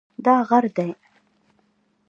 دا غر دی